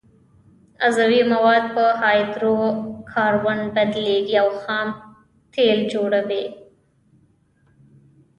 عضوي مواد په هایدرو کاربن بدلیږي او خام تیل جوړوي